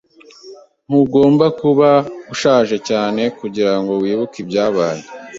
Ntugomba kuba ushaje cyane kugirango wibuke ibyabaye.